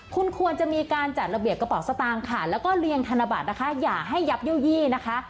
คุณควรจะมีการจัดระเบียบกระเป๋าสตางค์ค่ะแล้วก็เรียงธนบัตรนะคะอย่าให้ยับเยี่ยวยี่นะคะ